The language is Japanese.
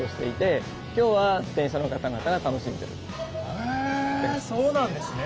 へえそうなんですね。